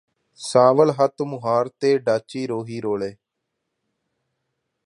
ਸਾਂਵਲ ਹੱਥ ਮੁਹਾਰ ਤੇ ਡਾਚੀ ਰੋਹੀ ਰੋਲੇ